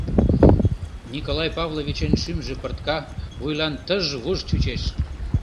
Николай Павловичын шӱмжӧ пыртка, вуйлан тыж-вуж чучеш.